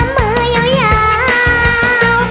เอ้อมือยาว